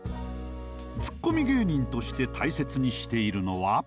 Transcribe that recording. ツッコミ芸人として大切にしているのは？